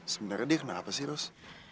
sebenarnya dia kena apa sih terus